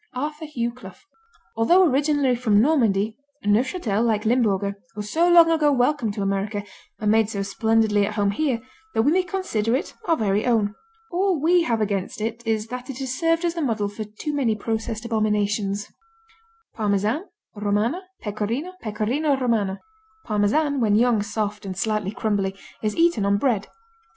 Arthur Hugh Clough Although originally from Normandy, Neufchâtel, like Limburger, was so long ago welcomed to America and made so splendidly at home here that we may consider it our very own. All we have against it is that it has served as the model for too many processed abominations. Parmesan, Romano, Pecorino, Pecorino Romano Parmesan when young, soft and slightly crumbly is eaten on bread.